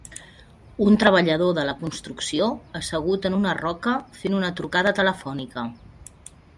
un treballador de la construcció assegut en una roca fent una trucada telefònica.